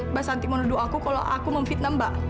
mbak santi menuduh aku kalau aku memfitnam mbak